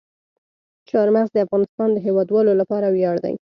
چار مغز د افغانستان د هیوادوالو لپاره ویاړ دی.